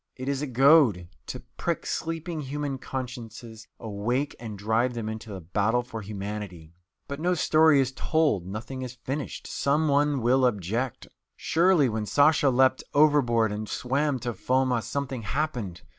It is a goad, to prick sleeping human consciences awake and drive them into the battle for humanity. But no story is told, nothing is finished, some one will object. Surely, when Sasha leaped overboard and swam to Foma, something happened.